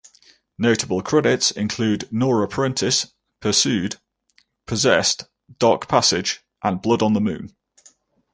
Notable credits include "Nora Prentiss", "Pursued", "Possessed", "Dark Passage", and "Blood on the Moon".